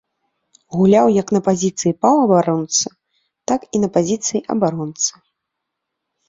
Гуляў як на пазіцыі паўабаронцы, так і на пазіцыі абаронцы.